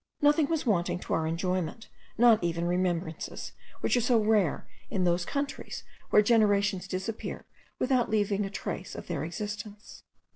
Nothing was wanting to our enjoyment, not even remembrances, which are so rare in those countries, where generations disappear without leaving a trace of their existence.